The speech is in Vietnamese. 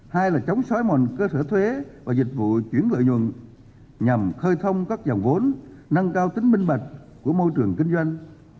hai là chống xói mòn cơ sở thuế và dịch vụ chuyển lợi nhuận nhằm khơi thông các dòng vốn nâng cao tính minh bạch của môi trường kinh doanh